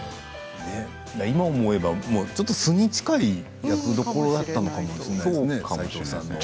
今思えば素に近い役どころだったのかもしれないですね。